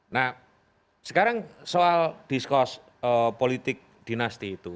nah sekarang soal diskus politik dinasti itu